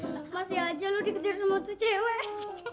masih aja lo dikejar sama tuh cewek